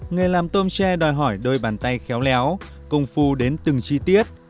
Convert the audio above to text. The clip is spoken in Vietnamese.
nghề làm tôm tre đòi hỏi đôi bàn tay khéo léo công phu đến từng chi tiết